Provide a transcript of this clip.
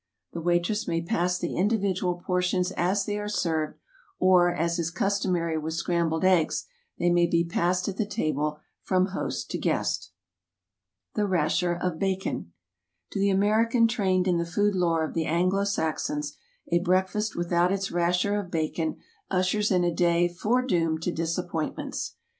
The waitress may pass the individual por tions as they are served, or, as is customary with scrambled eggs, they may be passed at the table from host to guest. The Old London Teaspoon and Butter Spread is her of 'Bacon The c Rasher of TO the American trained in the food lore of the Anglo Saxons a breakfast without its rasher of bacon ushers in a day foredoomed to disappoint ments.